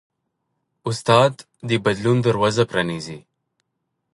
استاد د بدلون دروازه پرانیزي.